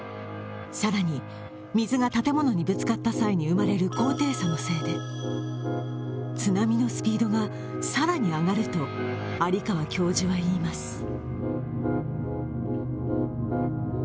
更に水が建物にぶつかった際に生まれる高低差のせいで、津波のスピードがさらに上がると有川教授は言います。